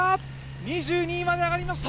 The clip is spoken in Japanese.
２２位まで上がりました